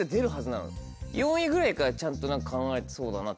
４位ぐらいからちゃんと考えてそうだな。